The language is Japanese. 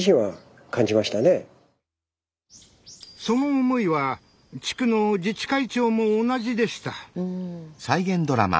その思いは地区の自治会長も同じでした。